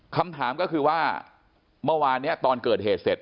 คำถามก็คือว่าเมื่อวานนี้ตอนเกิดเหตุเสร็จ